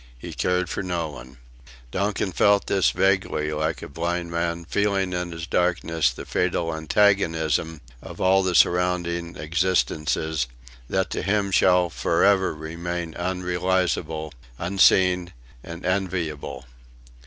He cared for no one. Donkin felt this vaguely like a blind man feeling in his darkness the fatal antagonism of all the surrounding existences, that to him shall for ever remain irrealisable, unseen and enviable.